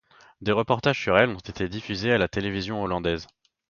Des reportages sur elle ont été diffusés à la télévision hollandaise.